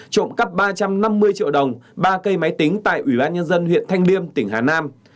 trộm cắp ba trăm năm mươi triệu đồng ba cây máy tính tại ủy ban nhân dân huyện thanh liêm tỉnh hà nam